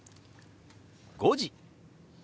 「５時」。